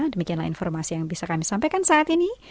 demikianlah informasi yang bisa kami sampaikan saat ini